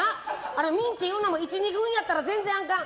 ミンチいうのも１２分やったら全然あかん。